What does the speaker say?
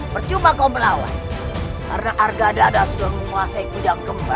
bercuma kau melawan karena argadada sudah menguasai pudang gembar